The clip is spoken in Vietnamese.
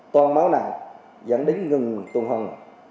toan máu nặng dẫn đến ngừng tùng hồng